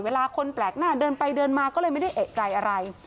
เวลาคนแปลกหน้าเดินไปเดินมาก็เลยไม่ได้เอกใจอะไร